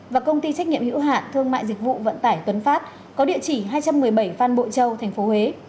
và công ty trách nhiệm hữu hạn thương mại dịch vụ vận tải tuấn phát có địa chỉ hai trăm một mươi bảy phan bội châu tp huế